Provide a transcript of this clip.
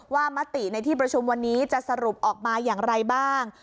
มติในที่ประชุมวันนี้จะสรุปออกมาอย่างไรบ้าง